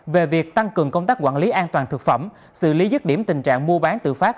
về việc tăng cường công tác quản lý an toàn thực phẩm xử lý dứt điểm tình trạng mua bán tự phát